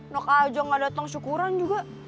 noka aja gak dateng syukuran juga